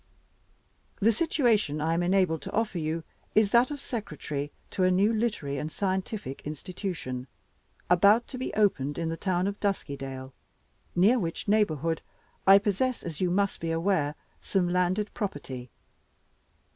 The situation I am enabled to offer you is that of secretary to a new Literary and Scientific Institution, about to be opened in the town of Duskydale, near which neighborhood I possess, as you must be aware, some landed property.